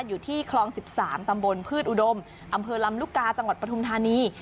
อยู่ที่คลอง๑๓ตำบลพืชอุดมอำเภอลำลูกกาจังหวัดปฐุมธานี